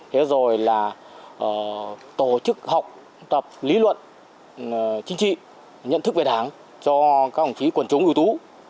thế rồi là tổ chức học tập lý luận chính trị nhận thức về đảng cho các ông chí quần chúng ưu tú